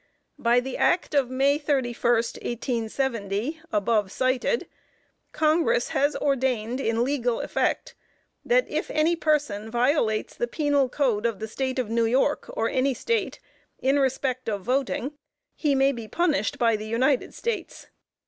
By the Act of May 31, 1870, above cited, Congress has ordained, in legal effect, that if any person violates the penal Code of the State of New York, or any State, in respect of voting, he may be punished by the United States.